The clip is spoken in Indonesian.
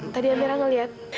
tadi amira ngeliat